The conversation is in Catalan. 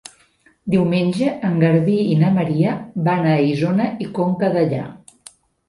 Diumenge en Garbí i na Maria van a Isona i Conca Dellà.